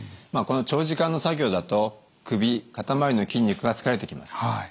この長時間の作業だと首肩周りの筋肉が疲れてきます。